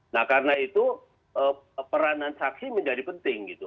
nah karena itu peranan saksi menjadi penting gitu